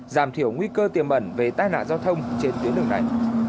giảm thiểu nguy cơ tiềm ẩn về tai nạn giao thông trên tuyến đường này